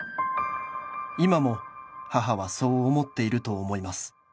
「今も母はそう思っていると思います」